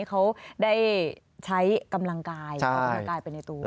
เขาได้ใช้กำลังกายไปในตัว